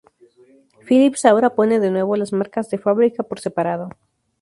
Philips ahora pone de nuevo las marcas de fábrica por separado.